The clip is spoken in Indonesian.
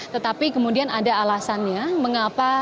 tetapi kemudian ada alasannya mengapa